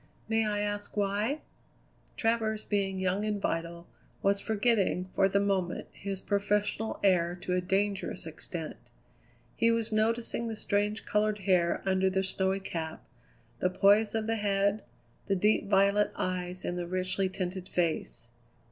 "May I ask why?" Travers, being young and vital, was forgetting, for the moment, his professional air to a dangerous extent. He was noticing the strange coloured hair under the snowy cap, the poise of the head, the deep violet eyes in the richly tinted face.